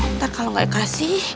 ntar kalau nggak dikasih